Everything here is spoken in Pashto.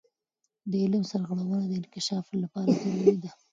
د علم سرغړونه د انکشاف لپاره ضروري ده.